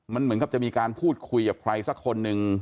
มันเหมือนกับจะมีการพูดคุยกับใครสักคนหนึ่ง